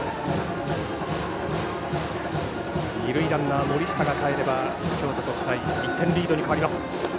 二塁ランナー、森下がかえれば京都国際は１点リードに変わります。